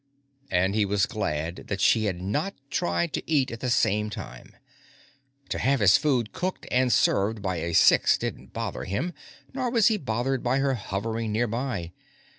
And he was glad that she had not tried to eat at the same time. To have his food cooked and served by a Six didn't bother him, nor was he bothered by her hovering nearby.